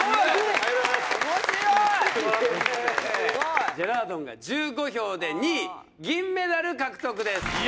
面白いすごいジェラードンが１５票で２位銀メダル獲得です